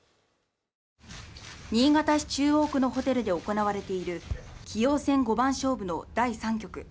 新潟市中央区のホテルで行われている棋王戦五番勝負の第３局。